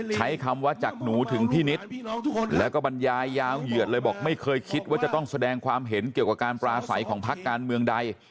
ใช้คำว่าจากหนูถึงพี่นิดแล้วก็บรรยายยาวเหยียดเลยบอกไม่เคยคิดว่าจะต้องแสดงความเห็นเกี่ยวกับการปราศัยของพักการเมืองใด